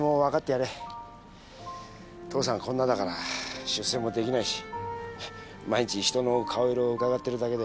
父さんこんなだから出世もできないし毎日人の顔色窺ってるだけで。